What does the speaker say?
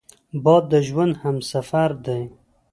باد د ژوند همسفر دی